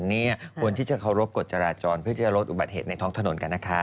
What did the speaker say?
เนี่ยควรที่จะเคารพกฎจราจรเพื่อที่จะลดอุบัติเหตุในท้องถนนกันนะคะ